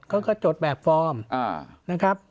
จดแบบฟอร์มนะครับ